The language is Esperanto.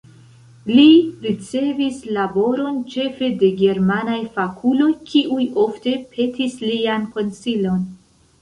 Li ricevis laboron ĉefe de germanaj fakuloj, kiuj ofte petis lian konsilon.